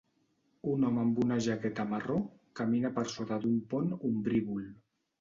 Un home amb una jaqueta marró camina per sota d'un pont ombrívol.